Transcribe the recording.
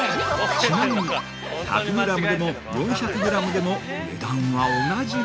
◆ちなみに、１００グラムでも４００グラムでも、値段は同じ！